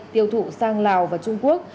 tiêu thụ sang lào và trung quốc